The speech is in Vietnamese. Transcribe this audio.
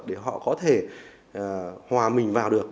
để họ có thể hòa mình vào được